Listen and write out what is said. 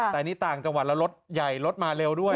แต่นี่ต่างจังหวัดแล้วรถใหญ่รถมาเร็วด้วย